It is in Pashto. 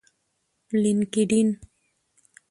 لینکډین